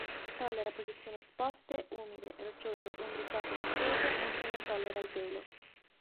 Tollera posizioni esposte, umide, rocciose, ombreggiate e ventose, mentre non tollera il gelo.